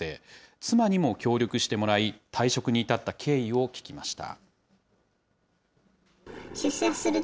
妻にも協力してもらい、退職に至った経緯を聞きました。